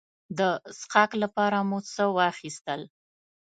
د څښاک لپاره مو څه واخیستل.